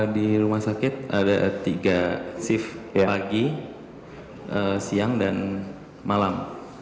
di rumah sakit ada tiga shift pagi siang dan malam